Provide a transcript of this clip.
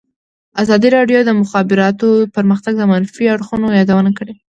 ازادي راډیو د د مخابراتو پرمختګ د منفي اړخونو یادونه کړې.